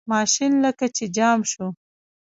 ماشین لکه چې جام شو.